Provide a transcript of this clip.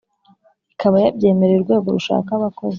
ikaba yabyemereye urwego rushaka abakozi